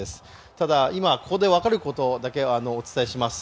ただ今、ここで分かることだけお伝えします。